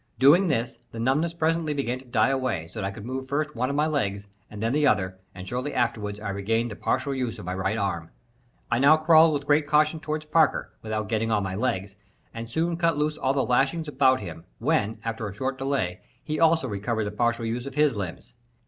Doing this, the numbness presently began to die away so that I could move first one of my legs, and then the other, and, shortly afterward I regained the partial use of my right arm. I now crawled with great caution toward Parker, without getting on my legs, and soon cut loose all the lashings about him, when, after a short delay, he also recovered the partial use of his limbs.